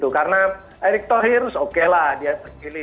karena eriktor hirus oke lah dia terpilih